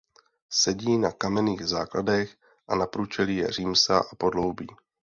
Sedí na kamenných základech a na průčelí je římsa a podloubí.